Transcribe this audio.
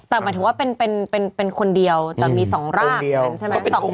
แต่หมายถึงว่าเป็นคนเดียวแต่มีสองร่าง